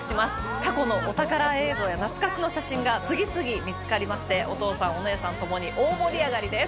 過去のお宝映像や懐かしの写真が、次々見つかりまして、お父さん、お姉さんともに大盛り上がりです。